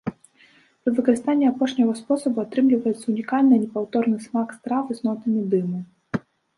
Пры выкарыстанні апошняга спосабу атрымліваецца унікальны непаўторны смак стравы з нотамі дыму.